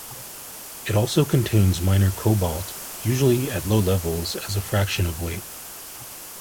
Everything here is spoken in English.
It also contains minor cobalt, usually at low levels as a fraction of weight.